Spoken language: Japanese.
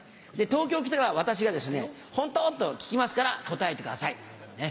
東京から来た私が「本当？」と聞きますから答えてください。